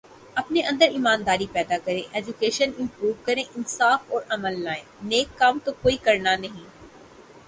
اپنے اندر ایمانداری پیدا کریں، ایجوکیشن امپروو کریں، انصاف اور امن لائیں، نیک کام تو کوئی کرنا نہیں